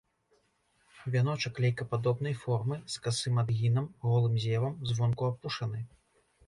Вяночак лейкападобнай формы, з касым адгінам, голым зевам, звонку апушаны.